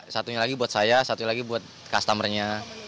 satunya lagi buat saya satu lagi buat customernya